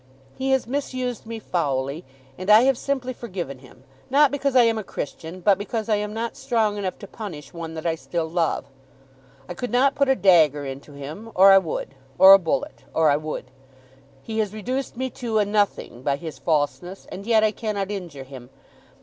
He has misused me foully, and I have simply forgiven him; not because I am a Christian, but because I am not strong enough to punish one that I still love. I could not put a dagger into him, or I would; or a bullet, or I would. He has reduced me to a nothing by his falseness, and yet I cannot injure him!